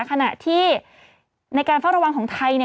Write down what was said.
ขณะที่ในการเฝ้าระวังของไทยเนี่ย